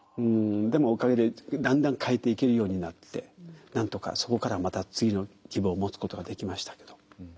でもおかげでだんだん変えていけるようになってなんとかそこからまた次の希望を持つことができましたけど。